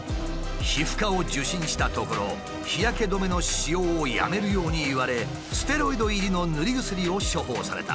皮膚科を受診したところ日焼け止めの使用をやめるように言われステロイド入りの塗り薬を処方された。